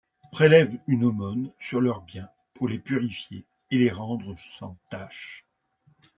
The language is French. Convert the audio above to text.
Prélève une aumône sur leurs biens pour les purifier et les rendre sans tache.